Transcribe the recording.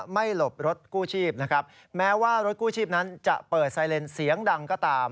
หลบรถกู้ชีพนะครับแม้ว่ารถกู้ชีพนั้นจะเปิดไซเลนเสียงดังก็ตาม